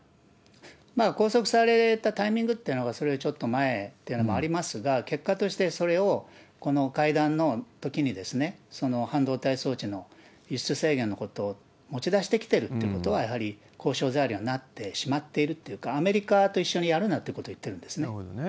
拘束されたタイミングというのが、それよりちょっと前というのはありますが、結果としてそれを、この会談のときに、半導体装置の輸出制限のことを持ち出してきてるということは、やはり交渉材料になってしまうっていうか、アメリカと一緒にやるなるほどね。